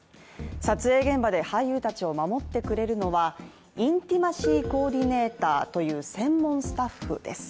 撮影現場で俳優たちを守ってくれるのはインティマシー・コーディネーターという専門スタッフです。